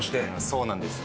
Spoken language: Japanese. そうなんです。